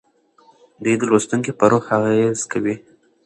دوی د لوستونکي په روح اغیز کوي.